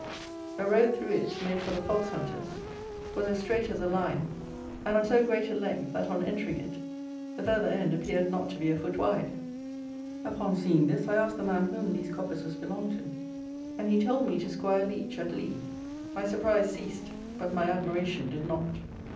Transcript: A road through it, made for the fox hunters, was as straight as a line, and of so great a length, that, on entering it, the farther end appeared not to be a foot wide. Upon seeing this, I asked the man whom these coppices belonged to, and he told me to Squire Leech, at Lea. My surprise ceased, but my admiration did not.